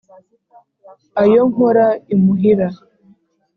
Ayo nkora imuhira